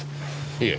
いえ。